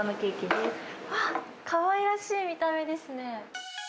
わっ、かわいらしい見た目ですね。